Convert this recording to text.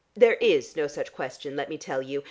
There is no such question, let me tell you.